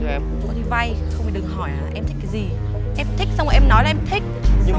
cậu hỏi cậu